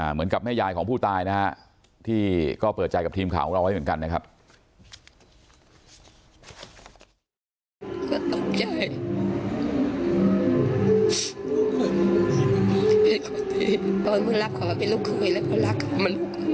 แม่ยายของผู้ตายนะฮะที่ก็เปิดใจกับทีมข่าวของเราไว้เหมือนกันนะครับ